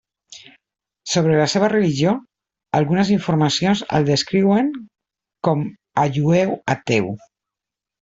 Sobre la seva religió, algunes informacions el descriuen com a jueu ateu.